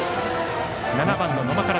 ７番の野間から。